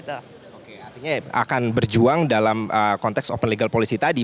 artinya akan berjuang dalam konteks open legal policy tadi